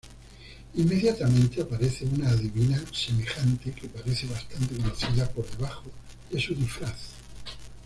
Inmediatamente aparece una adivina semejante, que parece bastante conocida por debajo de su disfraz.